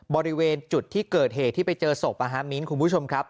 บริเวณจุดที่เกิดเหตุที่ไปเจอศพมิ้นคุณผู้ชมครับ